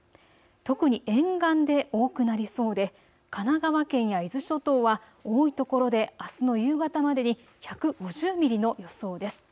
特に沿岸で多くなりそうで神奈川県や伊豆諸島は多いところであすの夕方までに１５０ミリの予想です。